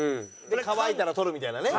乾いたら取るみたいなね。